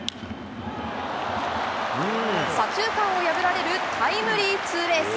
左中間を破られるタイムリーツーベース。